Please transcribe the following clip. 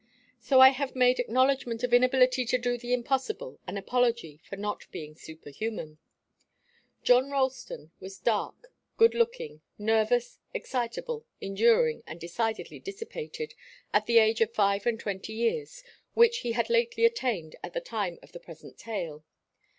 So I have made acknowledgment of inability to do the impossible, and apology for not being superhuman. John Ralston was dark, good looking, nervous, excitable, enduring, and decidedly dissipated, at the age of five and twenty years, which he had lately attained at the time of the present tale.